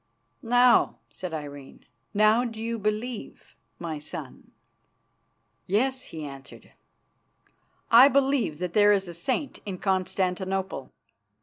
"Now," said Irene, "now do you believe, my son?" "Yes," he answered, "I believe that there is a saint in Constantinople.